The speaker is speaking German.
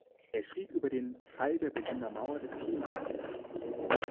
Er schrieb über den "Fall der Berliner Mauer des Klimawandels".